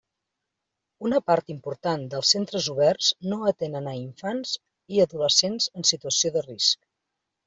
Una part important dels centres oberts no atenen a infants i adolescents en situació de risc.